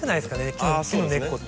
木の根っこって。